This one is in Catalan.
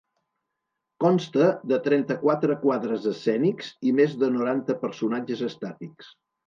Consta de trenta-quatre quadres escènics i més de noranta personatges estàtics.